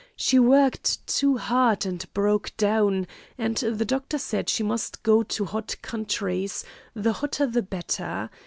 She worked too hard and broke down, and the doctor said she must go to hot countries, the 'hotter the better.'